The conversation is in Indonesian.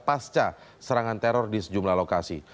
pasca serangan teror di sejumlah lokasi